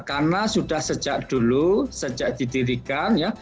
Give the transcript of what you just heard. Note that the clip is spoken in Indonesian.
karena sudah sejak dulu sejak didirikan ya